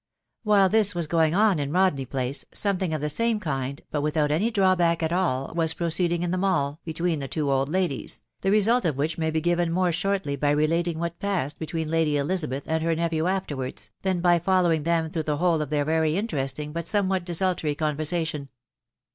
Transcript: While this was going on in Rodney Place, something of the same kind, bat without any disarhack at all, was proceeding in the JfcfaU, between the two oM \aA\fti, tab wraix <& wfruck i me itjbow baknabt. 447 be given more shortly by relating what pawed between Lady Elisabeth and her nephew afterwards, *haa by following them through the whole of their very interesting bat somewhat desultory conversation.